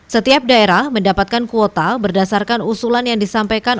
setiap daerah mendapatkan kuota berdasarkan usulan yang disampaikan